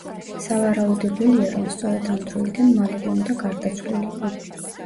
სავარაუდებელია, რომ სწორედ ამ დროიდან მალევე უნდა გარდაცვლილიყო.